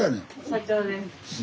社長です。